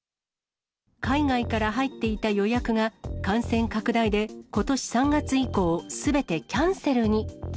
海外から入っていた予約が、感染拡大でことし３月以降、すべてキャンセルに。